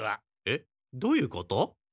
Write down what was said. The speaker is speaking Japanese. えっ？どういうこと？